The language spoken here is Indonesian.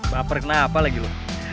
baper kena apa lagi loh